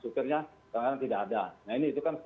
supirnya kadang kadang tidak ada nah ini itu kan